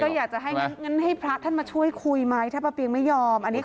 ก็อยากจะให้พระท่านมาช่วยคุยไหมถ้าปะเปียกไม่ยอมอันนี้ขอให้ถอยนะ